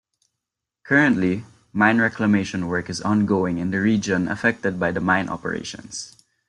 Currently, mine reclamation work is ongoing in the region affected by the mine operations.